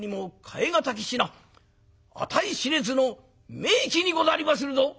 値知れずの名器にござりまするぞ！」。